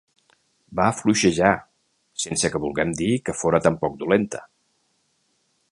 Va fluixejar, sense que vulguem dir que fóra tampoc dolenta.